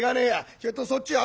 ちょっとそっちへ預。